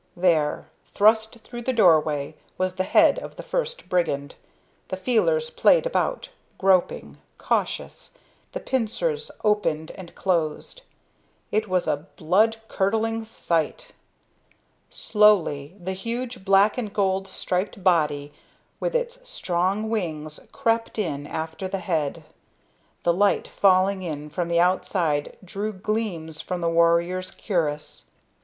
There, thrust through the doorway, was the head of the first brigand. The feelers played about, groping, cautious, the pincers opened and closed. It was a blood curdling sight. Slowly the huge black and gold striped body with its strong wings crept in after the head. The light falling in from the outside drew gleams from the warrior's cuirass.